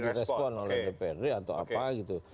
direspon oleh dprd atau apa gitu